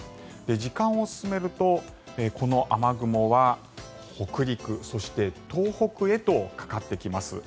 時間を進めるとこの雨雲は北陸、そして東北へとかかってきます。